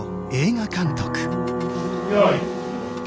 よい。